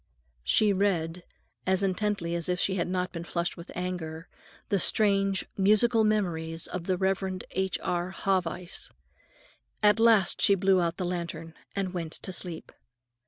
She read, as intently as if she had not been flushed with anger, the strange "Musical Memories" of the Reverend H. R. Haweis. At last she blew out the lantern and went to sleep.